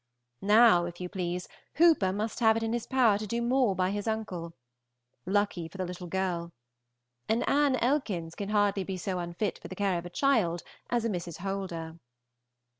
Now, if you please, Hooper must have it in his power to do more by his uncle. Lucky for the little girl. An Anne Ekins can hardly be so unfit for the care of a child as a Mrs. Holder.